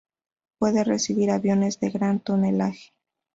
Puede recibir aviones de gran tonelaje.